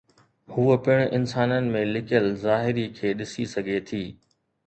هوء پڻ انسانن ۾ لڪيل ظاهري کي ڏسي سگهي ٿي